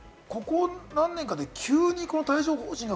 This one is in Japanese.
ここ何年かで急に帯状疱疹が